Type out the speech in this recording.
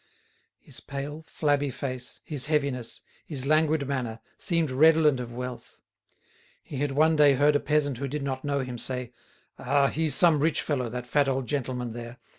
His pale, flabby face, his heaviness, his languid manner, seemed redolent of wealth. He had one day heard a peasant who did not know him say: "Ah! he's some rich fellow, that fat old gentleman there.